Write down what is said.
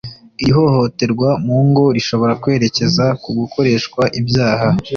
iri hohoterwa, mu ngo, rishobora kwerekeza ku gukoreshwa ibyaha